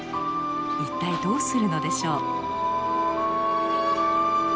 一体どうするのでしょう？